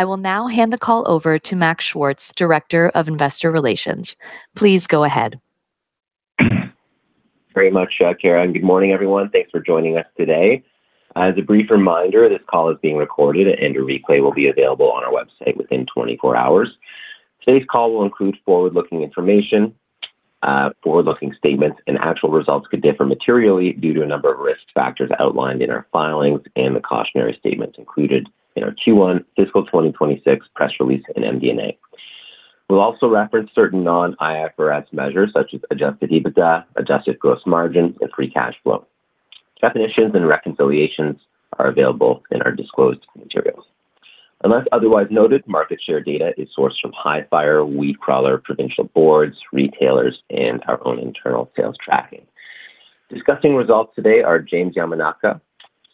I will now hand the call over to Max Schwartz, Director of Investor Relations. Please go ahead. Very much, Kara. Good morning, everyone. Thanks for joining us today. As a brief reminder, this call is being recorded, and a replay will be available on our website within 24 hours. Today's call will include forward-looking information, forward-looking statements, and actual results could differ materially due to a number of risk factors outlined in our filings and the cautionary statements included in our Q1 fiscal 2026 press release and MD&A. We'll also reference certain non-IFRS measures such as adjusted EBITDA, adjusted gross margin, and free cash flow. Definitions and reconciliations are available in our disclosed materials. Unless otherwise noted, market share data is sourced from Hifyre WeedCrawler provincial boards, retailers, and our own internal sales tracking. Discussing results today are James Yamanaka,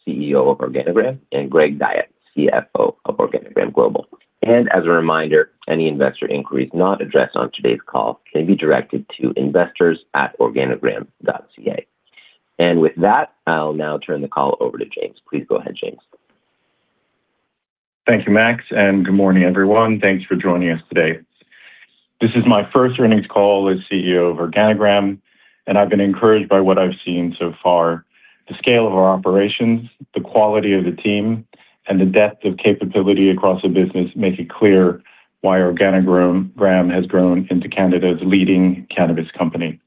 CEO of Organigram, and Greg Guyatt, CFO of Organigram Global. As a reminder, any investor inquiries not addressed on today's call can be directed to investors@organigram.ca. With that, I'll now turn the call over to James. Please go ahead, James. Thank you, Max, and good morning, everyone. Thanks for joining us today. This is my first earnings call as CEO of Organigram, and I've been encouraged by what I've seen so far. The scale of our operations, the quality of the team, and the depth of capability across the business make it clear why Organigram has grown into Canada's leading cannabis company.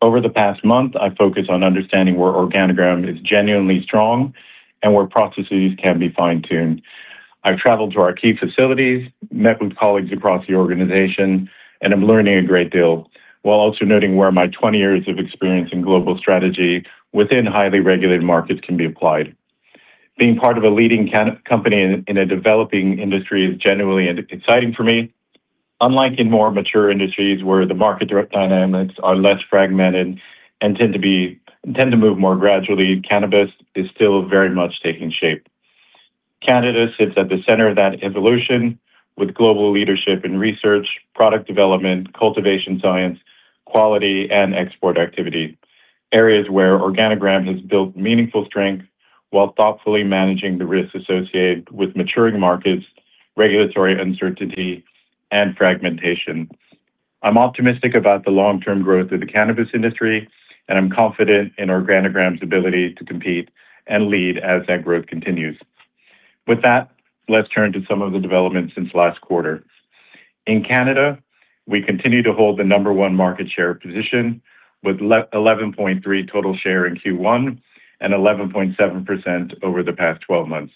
Over the past month, I've focused on understanding where Organigram is genuinely strong and where processes can be fine-tuned. I've traveled to our key facilities, met with colleagues across the organization, and I'm learning a great deal while also noting where my 20 years of experience in global strategy within highly regulated markets can be applied. Being part of a leading company in a developing industry is genuinely exciting for me. Unlike in more mature industries where the market dynamics are less fragmented and tend to move more gradually, cannabis is still very much taking shape. Canada sits at the center of that evolution with global leadership in research, product development, cultivation science, quality, and export activity, areas where Organigram has built meaningful strength while thoughtfully managing the risks associated with maturing markets, regulatory uncertainty, and fragmentation. I'm optimistic about the long-term growth of the cannabis industry, and I'm confident in Organigram's ability to compete and lead as that growth continues. With that, let's turn to some of the developments since last quarter. In Canada, we continue to hold the number one market share position with 11.3% total share in Q1 and 11.7% over the past 12 months.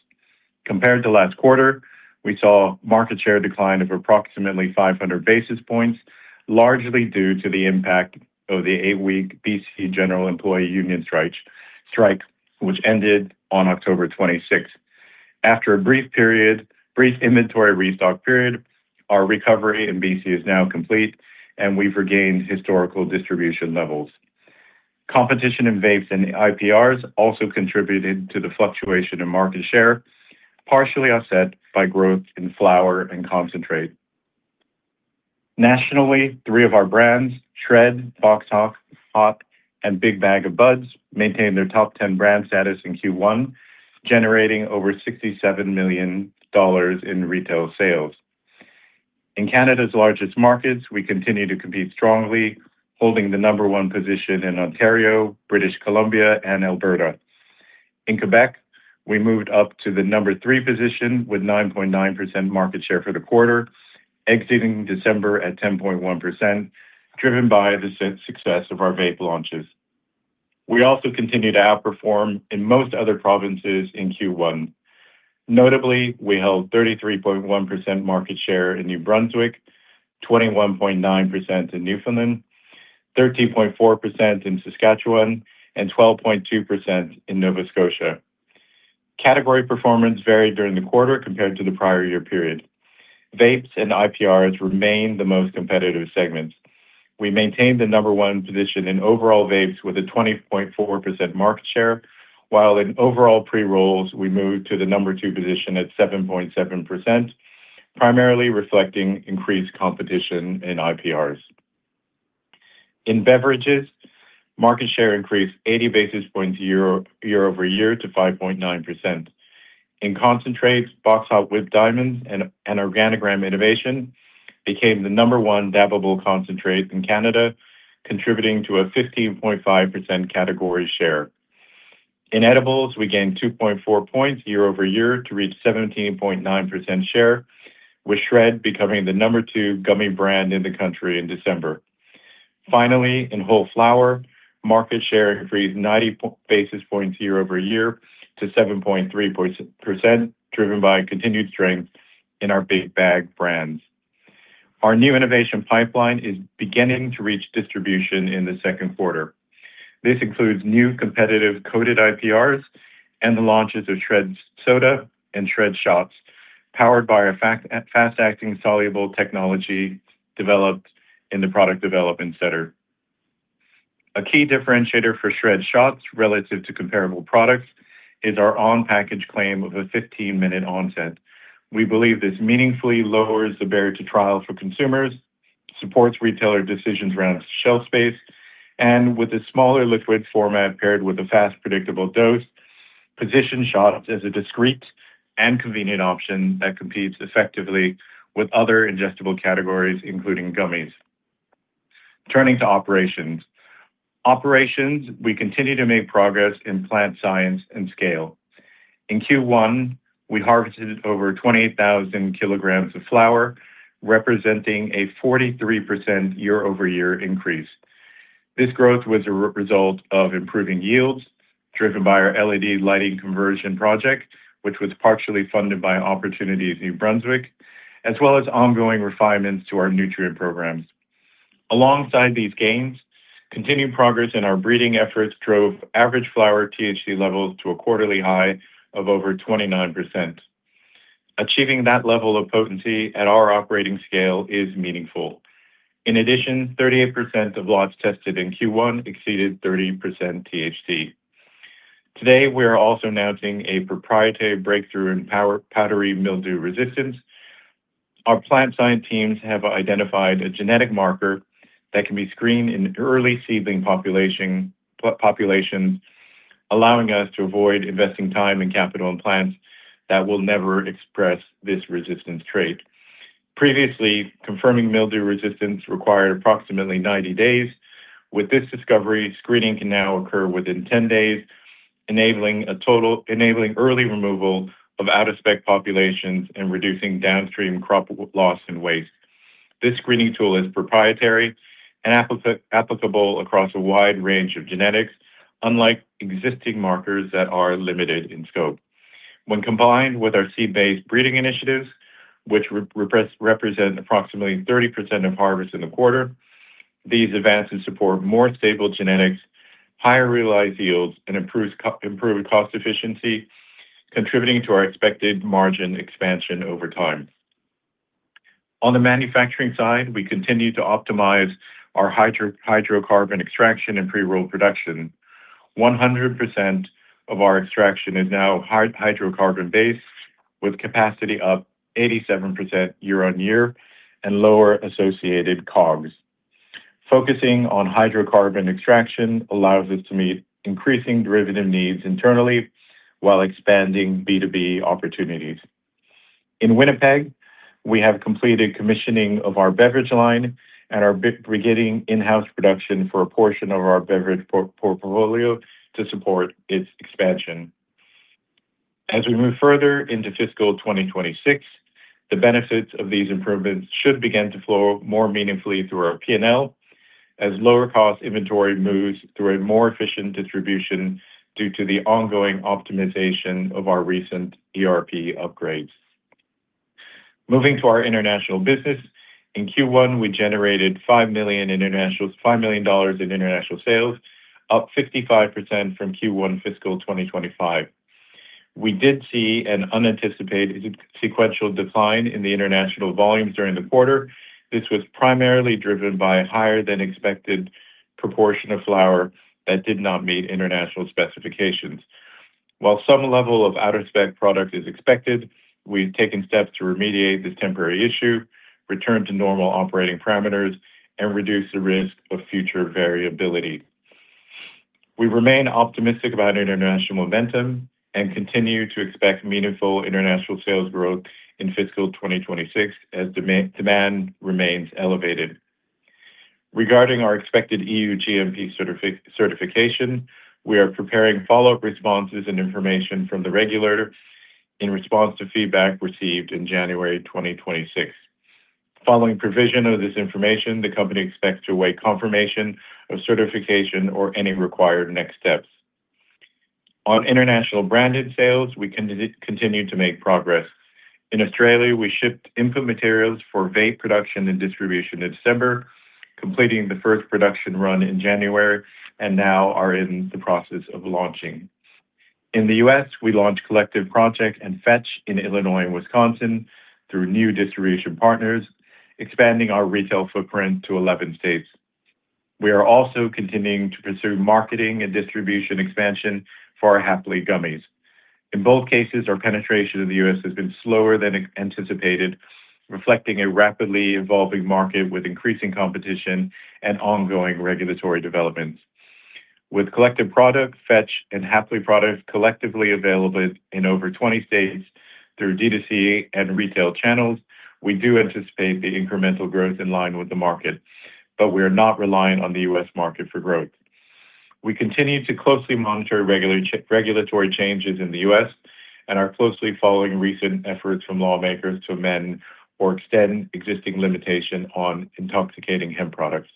Compared to last quarter, we saw a market share decline of approximately 500 basis points, largely due to the impact of the eight-week BC General Employees' Union strike, which ended on October 26th. After a brief inventory restock period, our recovery in BC is now complete, and we've regained historical distribution levels. Competition in vapes and IPRs also contributed to the fluctuation in market share, partially offset by growth in flower and concentrate. Nationally, three of our brands, SHRED, BOXHOT, Holy Mountain, and Big Bag of Buds, maintained their top 10 brand status in Q1, generating over 67 million dollars in retail sales. In Canada's largest markets, we continue to compete strongly, holding the number one position in Ontario, British Columbia, and Alberta. In Quebec, we moved up to the number three position with 9.9% market share for the quarter, exiting December at 10.1%, driven by the success of our vape launches. We also continue to outperform in most other provinces in Q1. Notably, we held 33.1% market share in New Brunswick, 21.9% in Newfoundland, 13.4% in Saskatchewan, and 12.2% in Nova Scotia. Category performance varied during the quarter compared to the prior year period. Vapes and IPRs remain the most competitive segments. We maintained the number one position in overall vapes with a 20.4% market share, while in overall pre-rolls, we moved to the number two position at 7.7%, primarily reflecting increased competition in IPRs. In beverages, market share increased 80 basis points year-over-year to 5.9%. In concentrates, BOXHOT Whipped Diamonds and Organigram innovation became the number one dabbable concentrate in Canada, contributing to a 15.5% category share. In edibles, we gained 2.4 points year-over-year to reach 17.9% share, with SHRED becoming the number two gummy brand in the country in December. Finally, in whole flower, market share increased 90 basis points year-over-year to 7.3%, driven by continued strength in our Big Bag brands. Our new innovation pipeline is beginning to reach distribution in the second quarter. This includes new competitive coated IPRs and the launches of SHRED Soda and SHRED Shots, powered by a fast-acting soluble technology developed in the Product Development Centre. A key differentiator for SHRED Shots relative to comparable products is our on-package claim of a 15-minute onset. We believe this meaningfully lowers the barrier to trial for consumers, supports retailer decisions around shelf space, and with a smaller liquid format paired with a fast, predictable dose, positions shots as a discrete and convenient option that competes effectively with other ingestible categories, including gummies. Turning to operations. Operations, we continue to make progress in plant science and scale. In Q1, we harvested over 28,000 kilograms of flower, representing a 43% year-over-year increase. This growth was a result of improving yields, driven by our LED lighting conversion project, which was partially funded by Opportunities New Brunswick, as well as ongoing refinements to our nutrient programs. Alongside these gains, continued progress in our breeding efforts drove average flower THC levels to a quarterly high of over 29%. Achieving that level of potency at our operating scale is meaningful. In addition, 38% of lots tested in Q1 exceeded 30% THC. Today, we are also announcing a proprietary breakthrough in powdery mildew resistance. Our plant science teams have identified a genetic marker that can be screened in early seedling populations, allowing us to avoid investing time and capital in plants that will never express this resistance trait. Previously, confirming mildew resistance required approximately 90 days. With this discovery, screening can now occur within 10 days, enabling early removal of out-of-spec populations and reducing downstream crop loss and waste. This screening tool is proprietary and applicable across a wide range of genetics, unlike existing markers that are limited in scope. When combined with our seed-based breeding initiatives, which represent approximately 30% of harvest in the quarter, these advances support more stable genetics, higher realized yields, and improved cost efficiency, contributing to our expected margin expansion over time. On the manufacturing side, we continue to optimize our hydrocarbon extraction and pre-roll production. 100% of our extraction is now hydrocarbon-based, with capacity up 87% year-over-year and lower associated COGS. Focusing on hydrocarbon extraction allows us to meet increasing derivative needs internally while expanding B2B opportunities. In Winnipeg, we have completed commissioning of our beverage line and are beginning in-house production for a portion of our beverage portfolio to support its expansion. As we move further into fiscal 2026, the benefits of these improvements should begin to flow more meaningfully through our P&L as lower-cost inventory moves through a more efficient distribution due to the ongoing optimization of our recent ERP upgrades. Moving to our international business, in Q1, we generated 5 million in international sales, up 55% from Q1 fiscal 2025. We did see an unanticipated sequential decline in the international volumes during the quarter. This was primarily driven by a higher-than-expected proportion of flower that did not meet international specifications. While some level of out-of-spec product is expected, we've taken steps to remediate this temporary issue, return to normal operating parameters, and reduce the risk of future variability. We remain optimistic about international momentum and continue to expect meaningful international sales growth in fiscal 2026 as demand remains elevated. Regarding our expected EU GMP certification, we are preparing follow-up responses and information from the regulator in response to feedback received in January 2026. Following provision of this information, the company expects to await confirmation of certification or any required next steps. On international branded sales, we continue to make progress. In Australia, we shipped input materials for vape production and distribution in December, completing the first production run in January, and now are in the process of launching. In the U.S., we launched Collective Project and Fetch in Illinois and Wisconsin through new distribution partners, expanding our retail footprint to 11 states. We are also continuing to pursue marketing and distribution expansion for our Happi gummies. In both cases, our penetration to the U.S. has been slower than anticipated, reflecting a rapidly evolving market with increasing competition and ongoing regulatory developments. With Collective Project, Fetch, and Happi products collectively available in over 20 states through DTC and retail channels, we do anticipate the incremental growth in line with the market, but we are not relying on the U.S. market for growth. We continue to closely monitor regulatory changes in the U.S. and are closely following recent efforts from lawmakers to amend or extend existing limitations on intoxicating hemp products.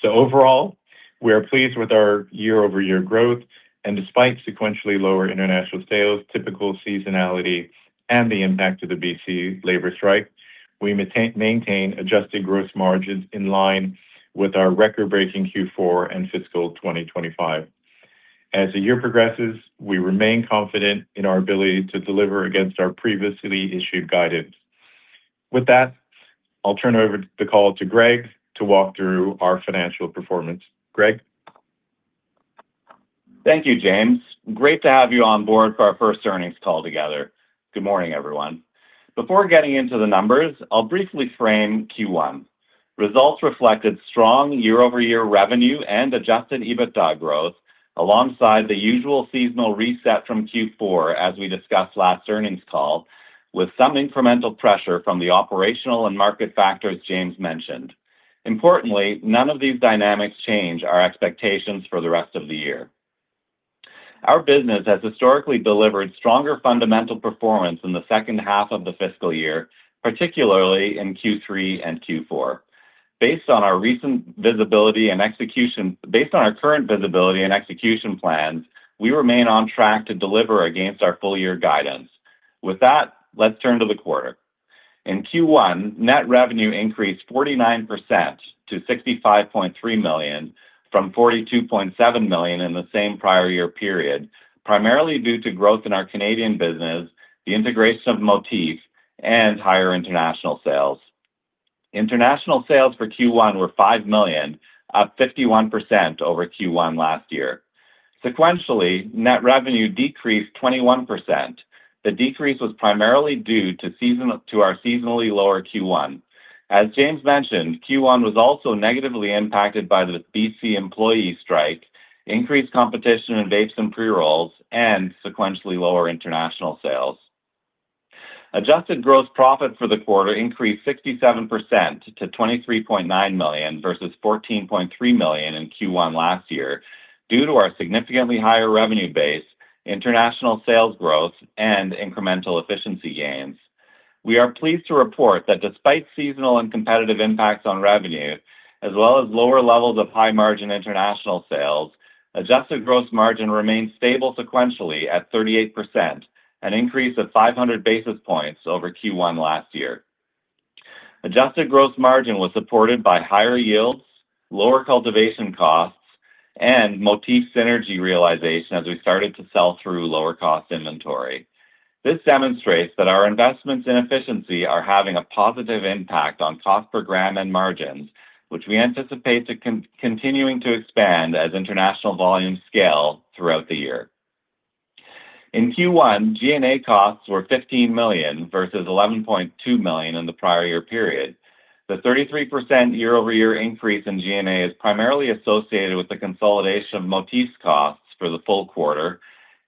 So overall, we are pleased with our year-over-year growth. And despite sequentially lower international sales, typical seasonality, and the impact of the BC labor strike, we maintain adjusted gross margins in line with our record-breaking Q4 and fiscal 2025. As the year progresses, we remain confident in our ability to deliver against our previously issued guidance. With that, I'll turn over the call to Greg to walk through our financial performance. Greg? Thank you, James. Great to have you on board for our first earnings call together. Good morning, everyone. Before getting into the numbers, I'll briefly frame Q1. Results reflected strong year-over-year revenue and adjusted EBITDA growth alongside the usual seasonal reset from Q4, as we discussed last earnings call, with some incremental pressure from the operational and market factors James mentioned. Importantly, none of these dynamics change our expectations for the rest of the year. Our business has historically delivered stronger fundamental performance in the second half of the fiscal year, particularly in Q3 and Q4. Based on our current visibility and execution plans, we remain on track to deliver against our full-year guidance. With that, let's turn to the quarter. In Q1, net revenue increased 49% to 65.3 million from 42.7 million in the same prior year period, primarily due to growth in our Canadian business, the integration of Motif, and higher international sales. International sales for Q1 were 5 million, up 51% over Q1 last year. Sequentially, net revenue decreased 21%. The decrease was primarily due to our seasonally lower Q1. As James mentioned, Q1 was also negatively impacted by the BC employee strike, increased competition in vapes and pre-rolls, and sequentially lower international sales. Adjusted gross profit for the quarter increased 67% to 23.9 million versus 14.3 million in Q1 last year due to our significantly higher revenue base, international sales growth, and incremental efficiency gains. We are pleased to report that despite seasonal and competitive impacts on revenue, as well as lower levels of high-margin international sales, adjusted gross margin remained stable sequentially at 38%, an increase of 500 basis points over Q1 last year. Adjusted gross margin was supported by higher yields, lower cultivation costs, and Motif synergy realization as we started to sell through lower-cost inventory. This demonstrates that our investments in efficiency are having a positive impact on cost per gram and margins, which we anticipate continuing to expand as international volumes scale throughout the year. In Q1, G&A costs were 15 million versus 11.2 million in the prior year period. The 33% year-over-year increase in G&A is primarily associated with the consolidation of Motif's costs for the full quarter,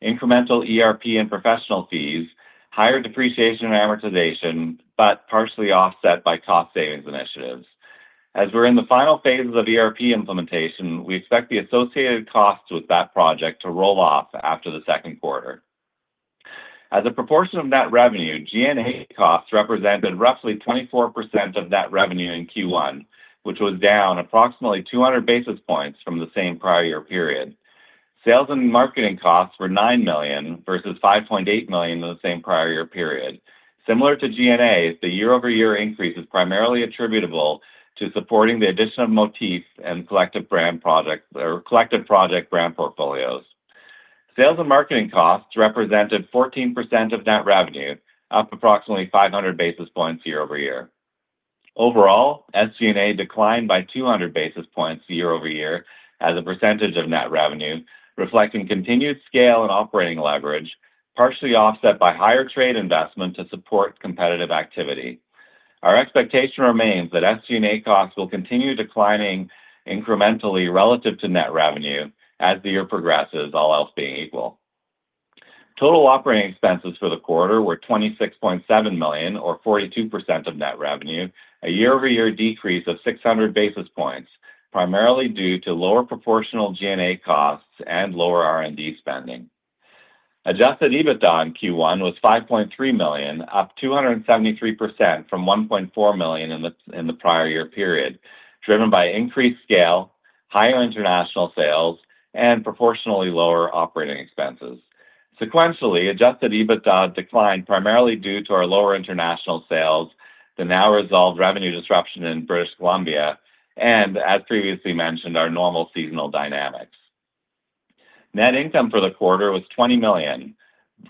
incremental ERP and professional fees, higher depreciation and amortization, but partially offset by cost savings initiatives. As we're in the final phases of ERP implementation, we expect the associated costs with that project to roll off after the second quarter. As a proportion of net revenue, G&A costs represented roughly 24% of net revenue in Q1, which was down approximately 200 basis points from the same prior year period. Sales and marketing costs were 9 million versus 5.8 million in the same prior year period. Similar to G&A, the year-over-year increase is primarily attributable to supporting the addition of Motif and Collective Project brand portfolios. Sales and marketing costs represented 14% of net revenue, up approximately 500 basis points year-over-year. Overall, SG&A declined by 200 basis points year-over-year as a percentage of net revenue, reflecting continued scale and operating leverage, partially offset by higher trade investment to support competitive activity. Our expectation remains that SG&A costs will continue declining incrementally relative to net revenue as the year progresses, all else being equal. Total operating expenses for the quarter were 26.7 million or 42% of net revenue, a year-over-year decrease of 600 basis points, primarily due to lower proportional G&A costs and lower R&D spending. Adjusted EBITDA in Q1 was 5.3 million, up 273% from 1.4 million in the prior year period, driven by increased scale, higher international sales, and proportionally lower operating expenses. Sequentially, adjusted EBITDA declined primarily due to our lower international sales, the now-resolved revenue disruption in British Columbia, and, as previously mentioned, our normal seasonal dynamics. Net income for the quarter was 20 million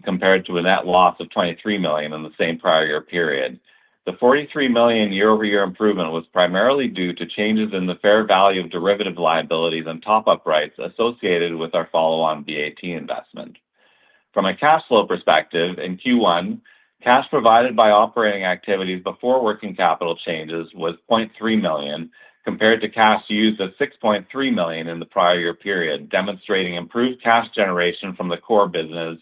compared to a net loss of 23 million in the same prior year period. The 43 million year-over-year improvement was primarily due to changes in the fair value of derivative liabilities and top-up rights associated with our follow-on BAT investment. From a cash flow perspective, in Q1, cash provided by operating activities before working capital changes was 0.3 million compared to cash used at 6.3 million in the prior year period, demonstrating improved cash generation from the core business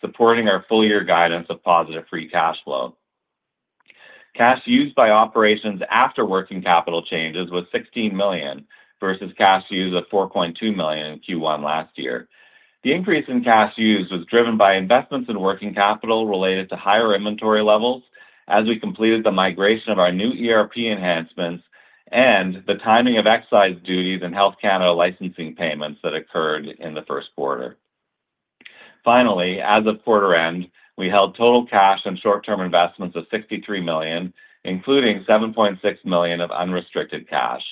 supporting our full-year guidance of positive free cash flow. Cash used by operations after working capital changes was 16 million versus cash used of 4.2 million in Q1 last year. The increase in cash used was driven by investments in working capital related to higher inventory levels as we completed the migration of our new ERP enhancements and the timing of excise duties and Health Canada licensing payments that occurred in the first quarter. Finally, as of quarter end, we held total cash and short-term investments of 63 million, including 7.6 million of unrestricted cash.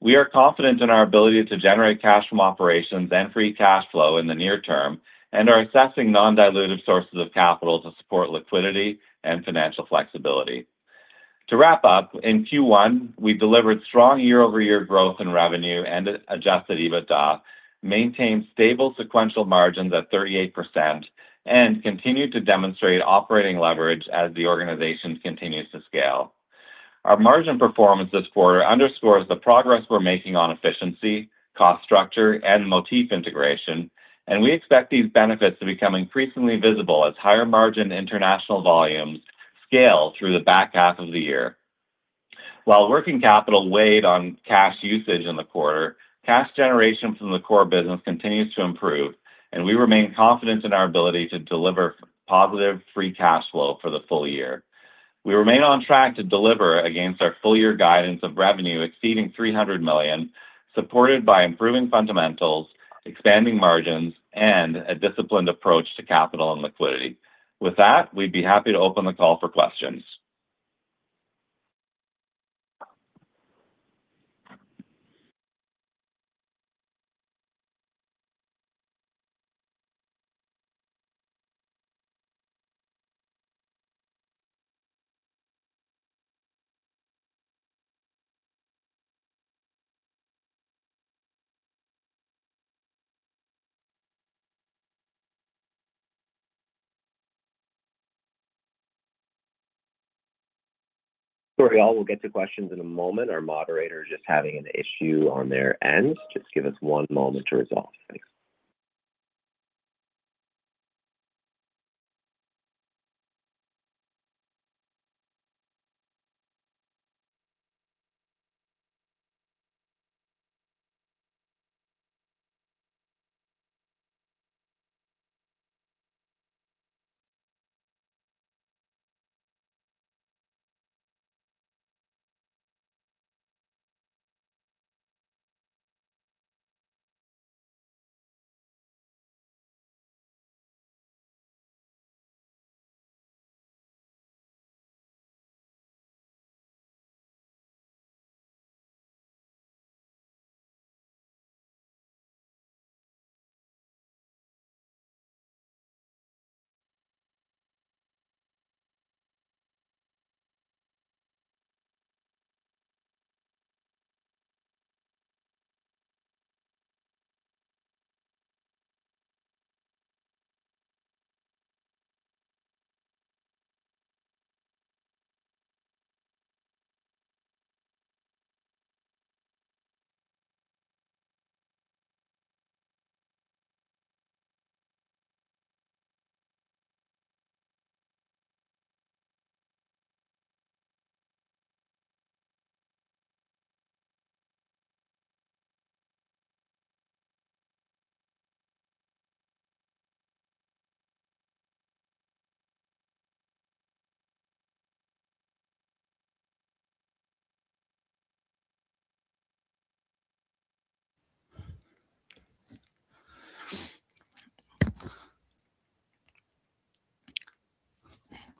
We are confident in our ability to generate cash from operations and Free Cash Flow in the near term and are assessing non-dilutive sources of capital to support liquidity and financial flexibility. To wrap up, in Q1, we delivered strong year-over-year growth in revenue and Adjusted EBITDA, maintained stable sequential margins at 38%, and continued to demonstrate operating leverage as the organization continues to scale. Our margin performance this quarter underscores the progress we're making on efficiency, cost structure, and Motif integration, and we expect these benefits to become increasingly visible as higher-margin international volumes scale through the back half of the year. While working capital weighed on cash usage in the quarter, cash generation from the core business continues to improve, and we remain confident in our ability to deliver positive free cash flow for the full year. We remain on track to deliver against our full-year guidance of revenue exceeding 300 million, supported by improving fundamentals, expanding margins, and a disciplined approach to capital and liquidity. With that, we'd be happy to open the call for questions. Sorry, I'll get to questions in a moment. Our moderator is just having an issue on their end. Just give us one moment to resolve. Thanks.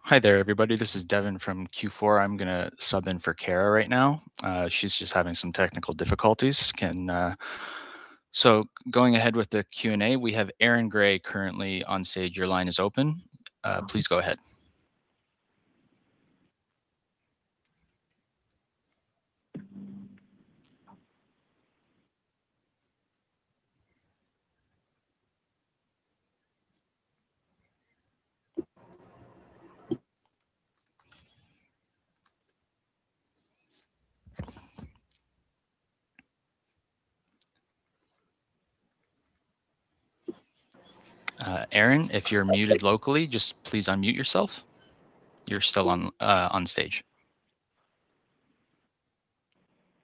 Hi there, everybody. This is Devin from Q4. I'm going to sub in for Kara right now. She's just having some technical difficulties. So going ahead with the Q&A, we have Aaron Grey currently on stage. Your line is open. Please go ahead. Aaron, if you're muted locally, just please unmute yourself. You're still on stage.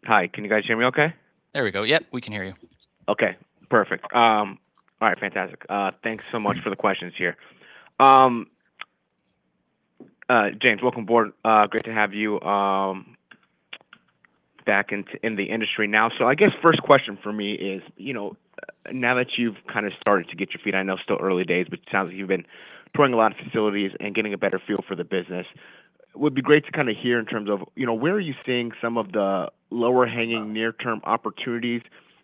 Hi. Can you guys hear me okay? There we go. Yep, we can hear you. Okay. Perfect. All right. Fantastic. Thanks so much for the questions here. James, welcome aboard. Great to have you back in the industry now. So I guess first question for me is, now that you've kind of started to get your feet I know still early days, but it sounds like you've been touring a lot of facilities and getting a better feel for the business. It would be great to kind of hear in terms of where are you seeing some of the lower-hanging near-term opportunities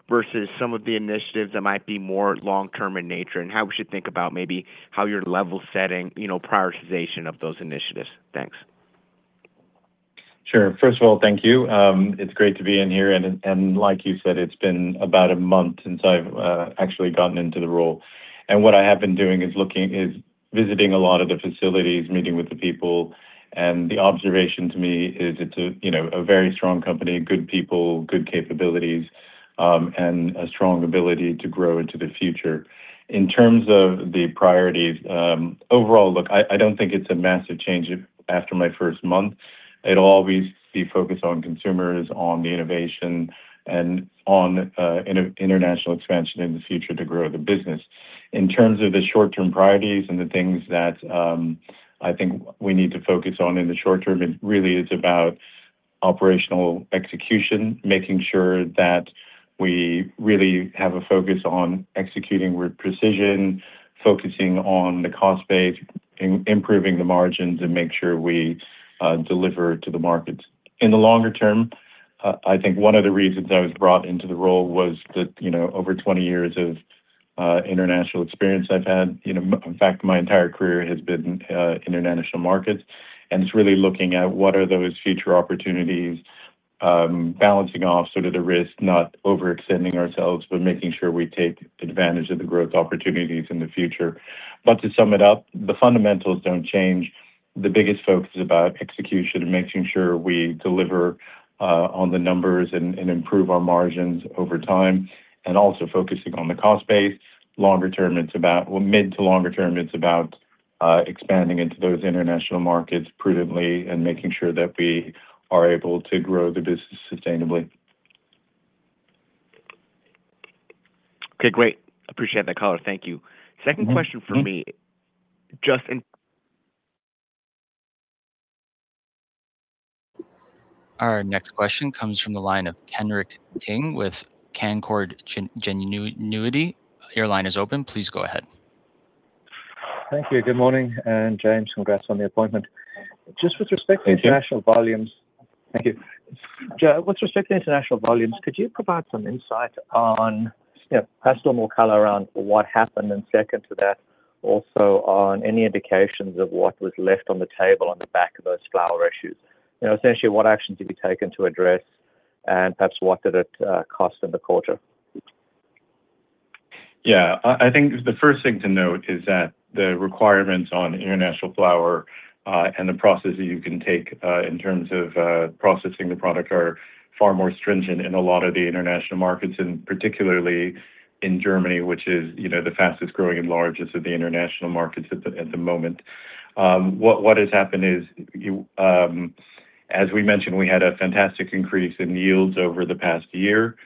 versus some of the initiatives that might be more long-term in nature, and how we should think about maybe how you're level-setting prioritization of those initiatives. Thanks. Sure. First of all, thank you. It's great to be in here. And like you said, it's been about a month since I've actually gotten into the role. And what I have been doing is visiting a lot of the facilities, meeting with the people. And the observation to me is it's a very strong company, good people, good capabilities, and a strong ability to grow into the future. In terms of the priorities, overall, look, I don't think it's a massive change after my first month. It'll always be focused on consumers, on the innovation, and on international expansion in the future to grow the business. In terms of the short-term priorities and the things that I think we need to focus on in the short term, it really is about operational execution, making sure that we really have a focus on executing with precision, focusing on the cost base, improving the margins, and make sure we deliver to the markets. In the longer term, I think one of the reasons I was brought into the role was that over 20 years of international experience I've had. In fact, my entire career has been international markets. It's really looking at what are those future opportunities, balancing off sort of the risk, not overextending ourselves, but making sure we take advantage of the growth opportunities in the future. But to sum it up, the fundamentals don't change. The biggest focus is about execution and making sure we deliver on the numbers and improve our margins over time, and also focusing on the cost base. Mid to longer term, it's about expanding into those international markets prudently and making sure that we are able to grow the business sustainably. Okay. Great. Appreciate that caller. Thank you. Second question for me, just in. Our next question comes from the line of Kenric Tyghe with Canaccord Genuity. Your line is open. Please go ahead. Thank you. Good morning. And James, congrats on the appointment. Just with respect to international volumes. Thank you. Thank you. With respect to international volumes, could you provide some insight on asking a little more color around what happened and second to that, also on any indications of what was left on the table on the back of those flower issues? Essentially, what actions have you taken to address, and perhaps what did it cost in the quarter? Yeah. I think the first thing to note is that the requirements on international flower and the process that you can take in terms of processing the product are far more stringent in a lot of the international markets, and particularly in Germany, which is the fastest growing and largest of the international markets at the moment. What has happened is, as we mentioned, we had a fantastic increase in yields over the past year,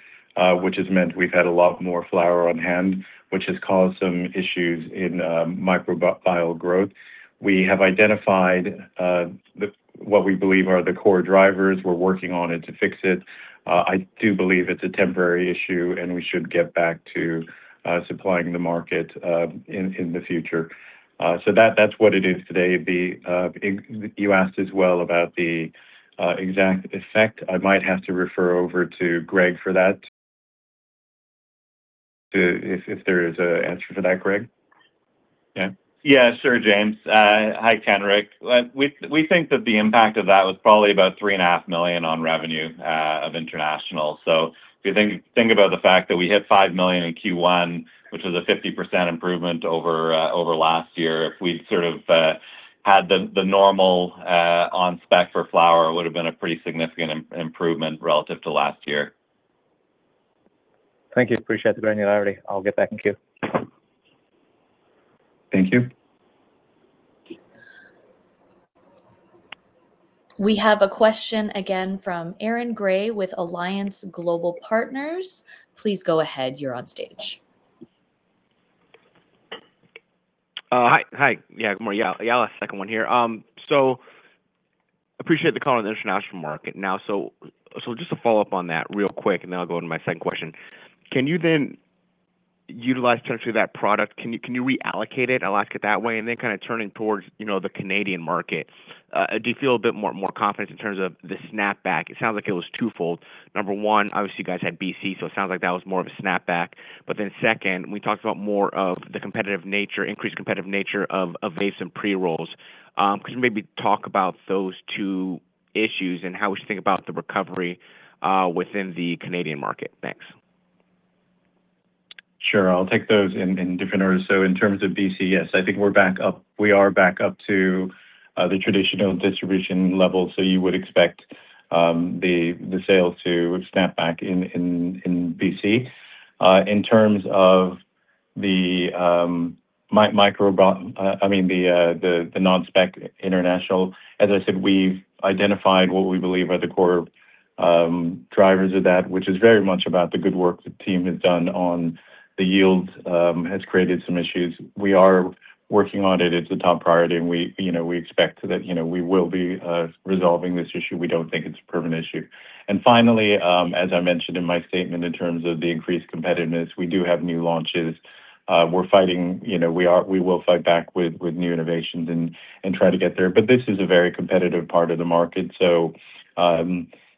which has meant we've had a lot more flower on hand, which has caused some issues in microbial growth. We have identified what we believe are the core drivers. We're working on it to fix it. I do believe it's a temporary issue, and we should get back to supplying the market in the future. So that's what it is today. You asked as well about the exact effect. I might have to refer over to Greg for that if there is an answer for that, Greg. Yeah? Yeah. Sure, James. Hi, Kenric. We think that the impact of that was probably about 3.5 million on revenue of international. So if you think about the fact that we hit 5 million in Q1, which was a 50% improvement over last year, if we'd sort of had the normal on spec for flower, it would have been a pretty significant improvement relative to last year. Thank you. Appreciate the granularity. I'll get back and queue. Thank you. We have a question again from Aaron Grey with Alliance Global Partners. Please go ahead. You're on stage. Hi. Yeah. Good morning. Yeah. I'll have a second one here. So I appreciate the call on the international market now. So just to follow up on that real quick, and then I'll go into my second question. Can you then utilize potentially that product? Can you reallocate it? I'll ask it that way. And then kind of turning towards the Canadian market, do you feel a bit more confidence in terms of the snapback? It sounds like it was twofold. Number one, obviously, you guys had BC, so it sounds like that was more of a snapback. But then second, we talked about more of the increased competitive nature of vapes and pre-rolls. Could you maybe talk about those two issues and how we should think about the recovery within the Canadian market? Thanks. Sure. I'll take those in different orders. So in terms of BC, yes, I think we're back up. We are back up to the traditional distribution levels, so you would expect the sales to snap back in BC. In terms of the micro, I mean, the non-spec international, as I said, we've identified what we believe are the core drivers of that, which is very much about the good work the team has done on the yields has created some issues. We are working on it. It's a top priority, and we expect that we will be resolving this issue. We don't think it's a permanent issue. And finally, as I mentioned in my statement in terms of the increased competitiveness, we do have new launches. We're fighting; we will fight back with new innovations and try to get there. But this is a very competitive part of the market.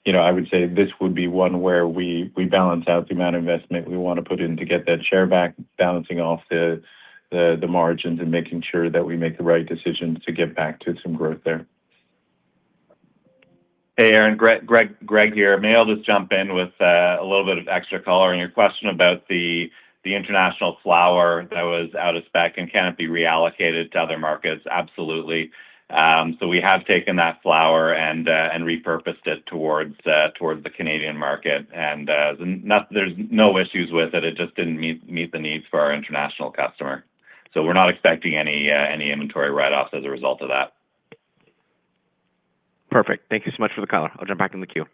I would say this would be one where we balance out the amount of investment we want to put in to get that share back, balancing off the margins and making sure that we make the right decisions to get back to some growth there. Hey, Aaron. Greg here. May I just jump in with a little bit of extra color on your question about the international flower that was out of spec and can it be reallocated to other markets? Absolutely. We have taken that flower and repurposed it towards the Canadian market. There's no issues with it. It just didn't meet the needs for our international customer. We're not expecting any inventory write-offs as a result of that. Perfect. Thank you so much for the caller. I'll jump back in the queue.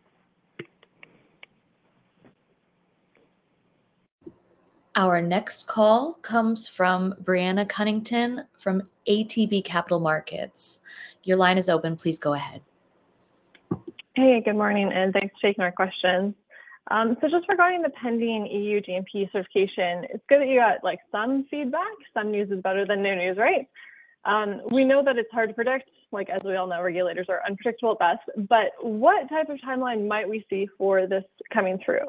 Our next call comes from Brenna Cunnington from ATB Capital Markets. Your line is open. Please go ahead. Hey. Good morning. And thanks for taking our questions. So just regarding the pending EU GMP certification, it's good that you got some feedback. Some news is better than no news, right? We know that it's hard to predict. As we all know, regulators are unpredictable at best. But what type of timeline might we see for this coming through?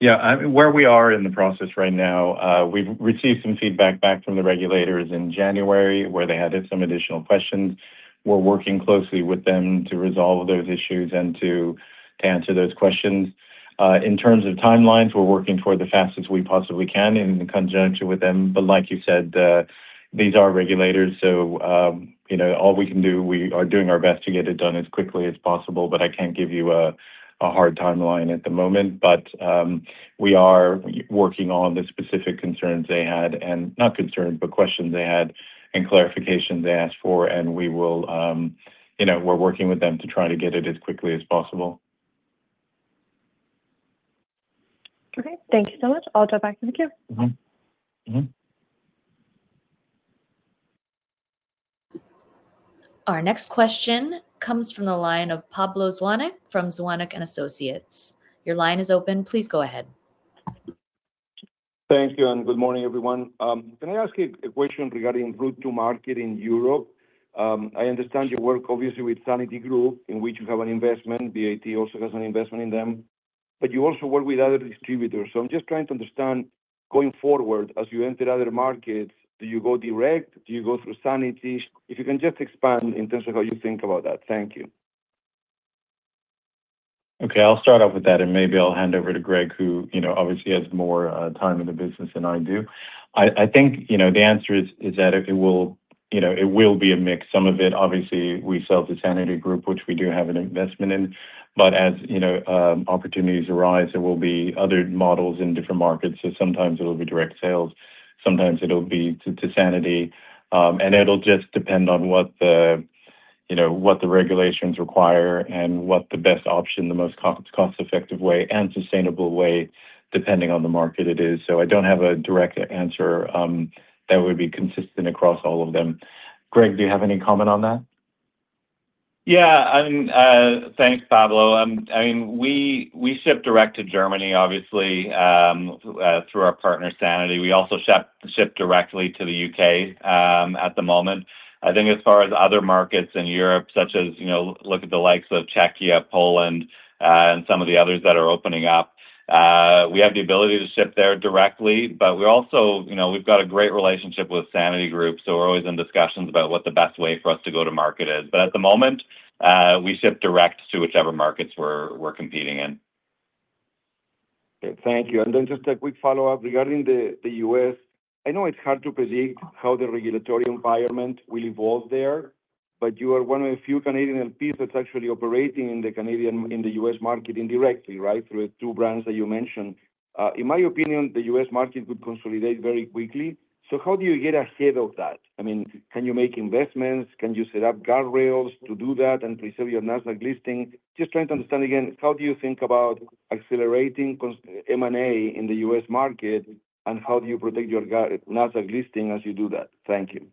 Yeah. I mean, where we are in the process right now, we've received some feedback back from the regulators in January where they had some additional questions. We're working closely with them to resolve those issues and to answer those questions. In terms of timelines, we're working toward the fastest we possibly can in conjunction with them. But like you said, these are regulators. So all we can do, we are doing our best to get it done as quickly as possible. But I can't give you a hard timeline at the moment. But we are working on the specific concerns they had and not concerns, but questions they had and clarifications they asked for. And we will we're working with them to try to get it as quickly as possible. Okay. Thank you so much. I'll jump back in the queue. Our next question comes from the line of Pablo Zuanic from Zuanic & Associates. Your line is open. Please go ahead. Thank you. Good morning, everyone. Can I ask you a question regarding route to market in Europe? I understand you work, obviously, with Sanity Group, in which you have an investment. BAT also has an investment in them. You also work with other distributors. I'm just trying to understand going forward, as you enter other markets, do you go direct? Do you go through Sanity? If you can just expand in terms of how you think about that. Thank you. Okay. I'll start off with that, and maybe I'll hand over to Greg, who obviously has more time in the business than I do. I think the answer is that it will be a mix. Some of it, obviously, we sell to Sanity Group, which we do have an investment in. But as opportunities arise, there will be other models in different markets. So sometimes it'll be direct sales. Sometimes it'll be to Sanity. And it'll just depend on what the regulations require and what the best option, the most cost-effective way, and sustainable way, depending on the market it is. So I don't have a direct answer that would be consistent across all of them. Greg, do you have any comment on that? Yeah. I mean, thanks, Pablo. I mean, we ship direct to Germany, obviously, through our partner, Sanity. We also ship directly to the U.K. at the moment. I think as far as other markets in Europe, such as look at the likes of Czechia, Poland, and some of the others that are opening up, we have the ability to ship there directly. But we've got a great relationship with Sanity Group, so we're always in discussions about what the best way for us to go to market is. But at the moment, we ship direct to whichever markets we're competing in. Okay. Thank you. And then just a quick follow-up regarding the U.S. I know it's hard to predict how the regulatory environment will evolve there, but you are one of the few Canadian LPs that's actually operating in the U.S. market indirectly, right, through two brands that you mentioned. In my opinion, the U.S. market would consolidate very quickly. So how do you get ahead of that? I mean, can you make investments? Can you set up guardrails to do that and preserve your Nasdaq listing? Just trying to understand again, how do you think about accelerating M&A in the U.S. market, and how do you protect your Nasdaq listing as you do that? Thank you.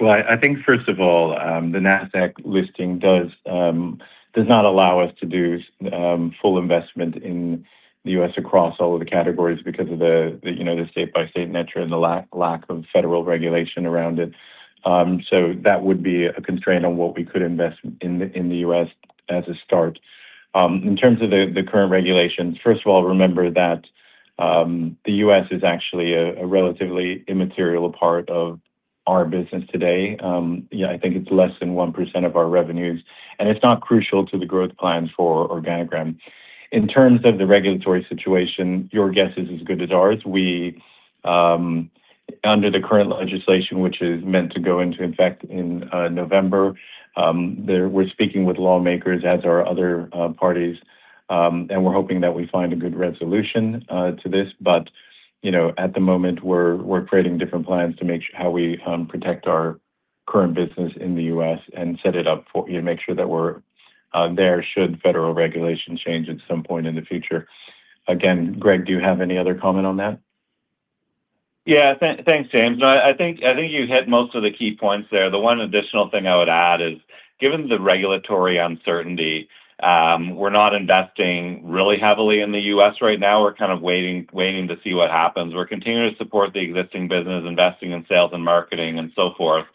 Well, I think, first of all, the Nasdaq listing does not allow us to do full investment in the U.S. across all of the categories because of the state-by-state nature and the lack of federal regulation around it. So that would be a constraint on what we could invest in the U.S. as a start. In terms of the current regulations, first of all, remember that the U.S. is actually a relatively immaterial part of our business today. I think it's less than 1% of our revenues. And it's not crucial to the growth plans for Organigram. In terms of the regulatory situation, your guess is as good as ours. Under the current legislation, which is meant to go into, in fact, in November, we're speaking with lawmakers, as are other parties. And we're hoping that we find a good resolution to this. But at the moment, we're creating different plans to make sure how we protect our current business in the U.S. and set it up for you to make sure that we're there should federal regulation change at some point in the future. Again, Greg, do you have any other comment on that? Yeah. Thanks, James. I think you hit most of the key points there. The one additional thing I would add is, given the regulatory uncertainty, we're not investing really heavily in the U.S. right now. We're kind of waiting to see what happens. We're continuing to support the existing business, investing in sales and marketing, and so forth.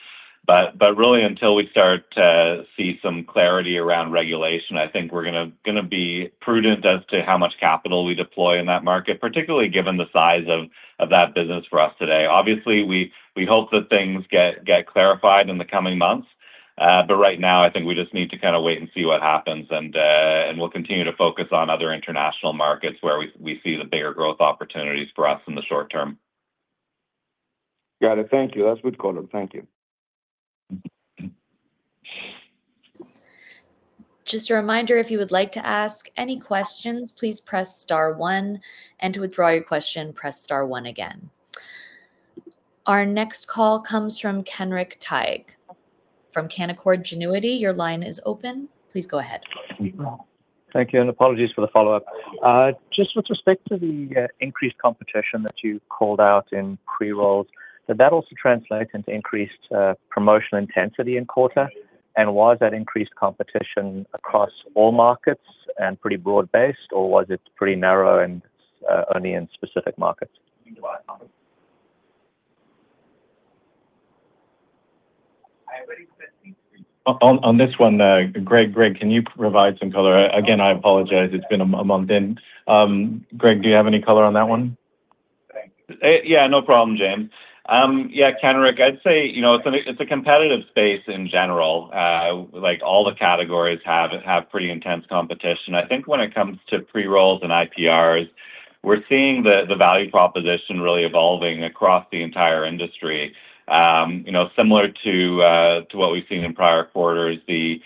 But really, until we start to see some clarity around regulation, I think we're going to be prudent as to how much capital we deploy in that market, particularly given the size of that business for us today. Obviously, we hope that things get clarified in the coming months. But right now, I think we just need to kind of wait and see what happens. And we'll continue to focus on other international markets where we see the bigger growth opportunities for us in the short term. Got it. Thank you. That's a good caller. Thank you. Just a reminder, if you would like to ask any questions, please press star one. To withdraw your question, press star one again. Our next call comes from Kenric Tyghe from Canaccord Genuity. Your line is open. Please go ahead. Thank you. And apologies for the follow-up. Just with respect to the increased competition that you called out in pre-rolls, did that also translate into increased promotional intensity in quarter? And was that increased competition across all markets and pretty broad-based, or was it pretty narrow and only in specific markets? On this one, Greg, can you provide some color? Again, I apologize. It's been a month in. Greg, do you have any color on that one? Yeah. No problem, James. Yeah. Kenric, I'd say it's a competitive space in general. All the categories have pretty intense competition. I think when it comes to pre-rolls and IPRs, we're seeing the value proposition really evolving across the entire industry. Similar to what we've seen in prior quarters, the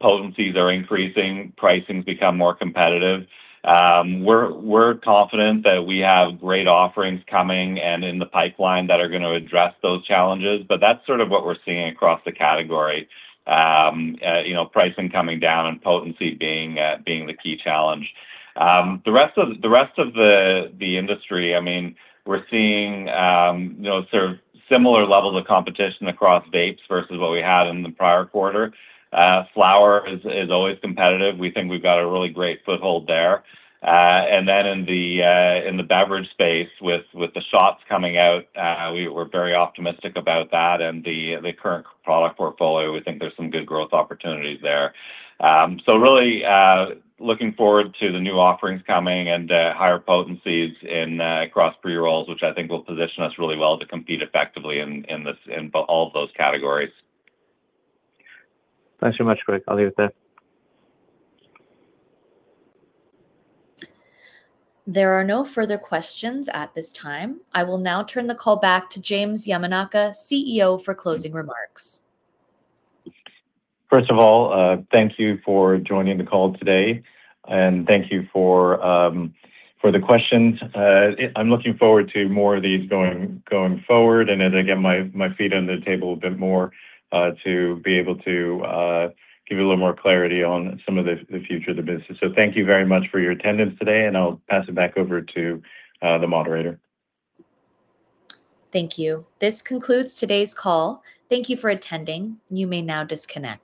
potencies are increasing. Pricing becomes more competitive. We're confident that we have great offerings coming and in the pipeline that are going to address those challenges. But that's sort of what we're seeing across the category, pricing coming down and potency being the key challenge. The rest of the industry, I mean, we're seeing sort of similar levels of competition across vapes versus what we had in the prior quarter. Flower is always competitive. We think we've got a really great foothold there. And then in the beverage space, with the shots coming out, we're very optimistic about that. The current product portfolio, we think there's some good growth opportunities there. Really looking forward to the new offerings coming and higher potencies across pre-rolls, which I think will position us really well to compete effectively in all of those categories. Thanks so much, Greg. I'll leave it there. There are no further questions at this time. I will now turn the call back to James Yamanaka, CEO, for closing remarks. First of all, thank you for joining the call today. Thank you for the questions. I'm looking forward to more of these going forward and as I get my feet on the table a bit more to be able to give you a little more clarity on some of the future of the business. Thank you very much for your attendance today. I'll pass it back over to the moderator. Thank you. This concludes today's call. Thank you for attending. You may now disconnect.